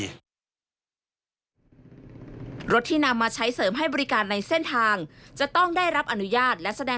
รถที่นำมาใช้เสริมให้บริการในเส้นทางจะต้องได้รับอนุญาตและแสดง